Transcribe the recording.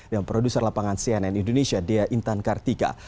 yang produser lapangan cnn indonesia dia intan kartika